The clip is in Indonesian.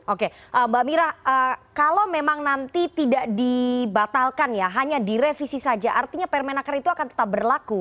oke mbak mira kalau memang nanti tidak dibatalkan ya hanya direvisi saja artinya permenaker itu akan tetap berlaku